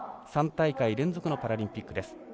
３大会連続のパラリンピックです。